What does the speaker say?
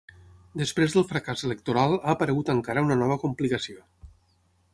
Després del fracàs electoral ha aparegut encara una nova complicació.